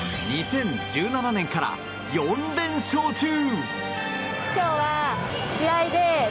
２０１７年から４連勝中。